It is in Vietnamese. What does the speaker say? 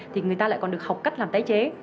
thì người ta lại còn được học cách làm tái chế